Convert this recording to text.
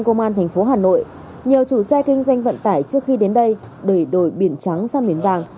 công an thành phố hà nội nhờ chủ xe kinh doanh vận tải trước khi đến đây để đổi biển trắng sang biển vàng